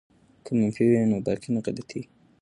که منفي وي نو باقی نه غلطیږي.